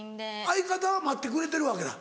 相方は待ってくれてるわけだ。